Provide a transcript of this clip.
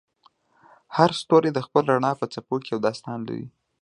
هر ستوری د خپل رڼا په څپو کې یو داستان لري.